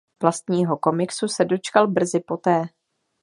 Vlastního komiksu se dočkal brzy poté.